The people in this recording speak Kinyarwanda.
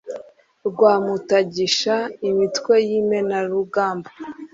Rwamutagisha imitwe y' Imenerarugamba